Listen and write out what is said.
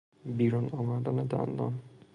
بیرون آمدن دندان